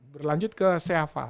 berlanjut ke seava